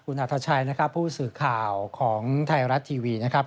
คุณอัธชัยนะครับผู้สื่อข่าวของไทยรัฐทีวีนะครับ